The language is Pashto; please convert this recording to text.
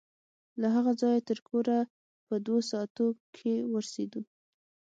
له هغه ځايه تر کوره په دوو ساعتو کښې ورسېدو.